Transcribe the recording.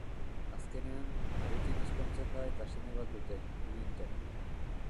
Azkenean, harekin ezkontzen da eta seme bat dute: Linton.